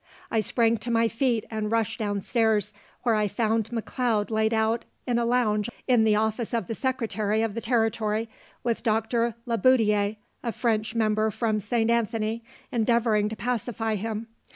I sprang to my feet, and rushed down stairs, where I found McLeod laid out on a lounge in the office of the secretary of the territory, with Doctor Le Boutillier, a French member from St. Anthony, endeavoring to pacify him.